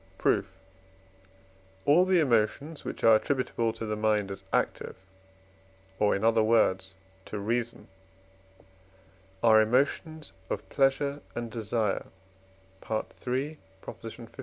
Proof. All the emotions which are attributable to the mind as active, or in other words to reason, are emotions of pleasure and desire (III.